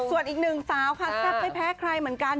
ส่วนอีกหนึ่งสาวค่ะแซ่บไม่แพ้ใครเหมือนกัน